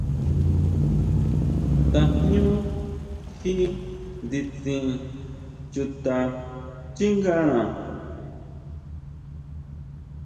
Tajñú ji nditsin chuta xchíngana.